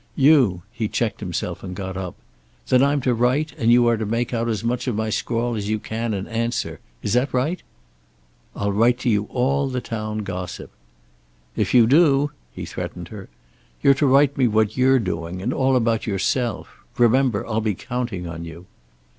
You " he checked himself and got up. "Then I'm to write, and you are to make out as much of my scrawl as you can and answer. Is that right?" "I'll write you all the town gossip." "If you do !" he threatened her. "You're to write me what you're doing, and all about yourself. Remember, I'll be counting on you."